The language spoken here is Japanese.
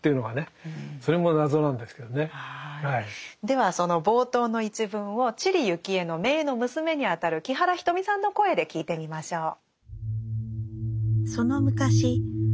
ではその冒頭の一文を知里幸恵の姪の娘にあたる木原仁美さんの声で聞いてみましょう。